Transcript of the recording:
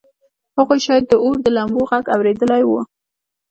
هغوی شاید د اور د لمبو غږ اورېدلی و